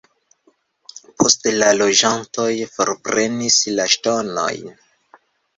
Poste la loĝantoj forprenis la ŝtonojn.